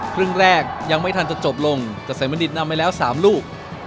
ครึ่งแรกยังไม่ทันจะจบลงแต่เสมณิตนำไปแล้ว๓ลูก